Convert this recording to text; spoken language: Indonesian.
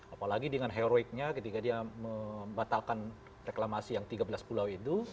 apalagi dengan heroiknya ketika dia membatalkan reklamasi yang tiga belas pulau itu